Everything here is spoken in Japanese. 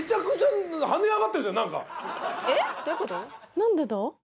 何でだ？